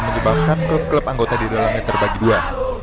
menyebabkan klub klub anggota di dalamnya terbagi dua